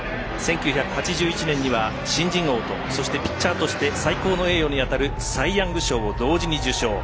１９８１年には新人王とそして、ピッチャーとして最高の栄誉に当たるサイ・ヤング賞を同時に受賞。